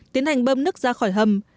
tiến hành bơm nước ra khỏi hầm